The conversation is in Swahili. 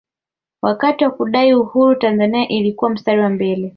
wakati wa kudai uhuru tanzania ilikuwa mstari wa mbele